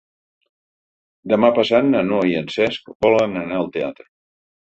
Demà passat na Noa i en Cesc volen anar al teatre.